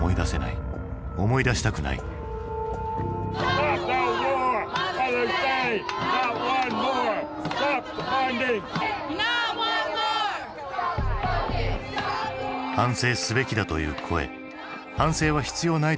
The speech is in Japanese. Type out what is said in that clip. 反省すべきだという声反省は必要ないという声が入り乱れる。